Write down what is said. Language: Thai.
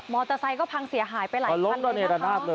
มอเตอร์ไซด์ก็พังเสียหายไปหลายครั้งเลยนะครับ